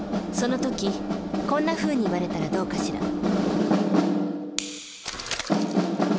その時こんなふうに言われたらどうかしら？